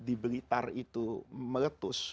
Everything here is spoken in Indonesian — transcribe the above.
di blitar itu meletus